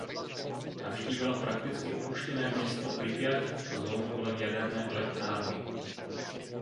Navštívila prakticky opuštěné město Pripjať a zónu kolem jaderné elektrárny.